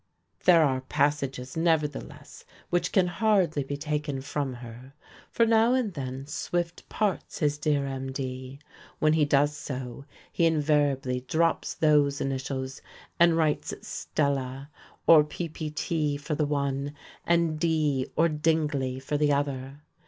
There are passages, nevertheless, which can hardly be taken from her. For now and then Swift parts his dear MD. When he does so he invariably drops those initials and writes "Stella" or "Ppt" for the one, and "D" or "Dingley" for the other.